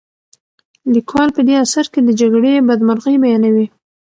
لیکوال په دې اثر کې د جګړې بدمرغۍ بیانوي.